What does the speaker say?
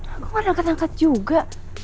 aku gak ada angkat angkat juga